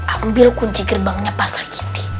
ambil kunci gerbangnya pasar citi